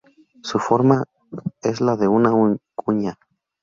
Su forma es la de una cuña.